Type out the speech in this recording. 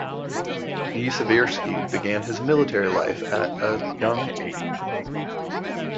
De Seversky began his military life at a young age.